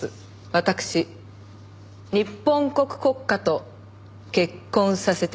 わたくし日本国国家と結婚させて頂きます。